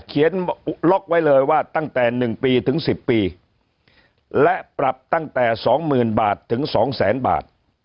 ล็อกไว้เลยว่าตั้งแต่๑ปีถึง๑๐ปีและปรับตั้งแต่๒๐๐๐บาทถึงสองแสนบาท